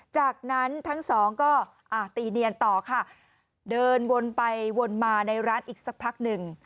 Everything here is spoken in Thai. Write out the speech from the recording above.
จากนั้นทั้งสองก็อ่าตีเนียนต่อค่ะเดินวนไปวนมาในร้านอีกสักพักหนึ่ง